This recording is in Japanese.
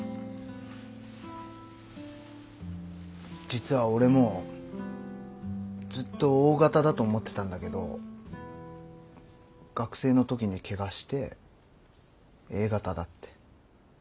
実は俺もずっとＯ型だと思ってたんだけど学生の時に怪我してＡ型だって。